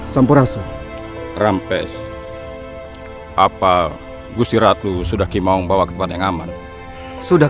sampurasun rampes apa gusti ratu sudah ke mau bawa ke tempat yang aman sudah